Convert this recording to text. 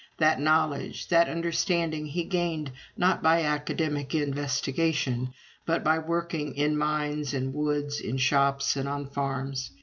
That knowledge, that understanding he gained, not by academic investigation, but by working in mines and woods, in shops and on farms.